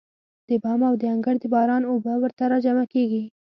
د بام او د انګړ د باران اوبه ورته راجمع کېږي.